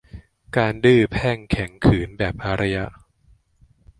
การดื้อแพ่งแข็งขืนแบบอารยะ